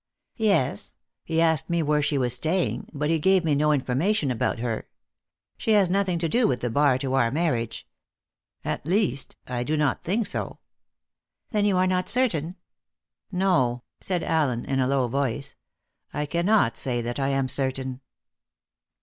"Yes. He asked me where she was staying, but he gave me no information about her. She has nothing to do with the bar to our marriage. At least, I do not think so." "Then you are not certain?" "No," said Allen in a low voice; "I cannot say that I am certain."